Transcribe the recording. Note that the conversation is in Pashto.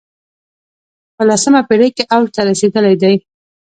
په لسمه پېړۍ کې اوج ته رسېدلی دی